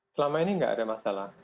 selama ini nggak ada masalah